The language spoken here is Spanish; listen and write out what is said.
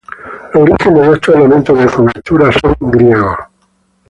Los orígenes de estos elementos de cobertura son griegos.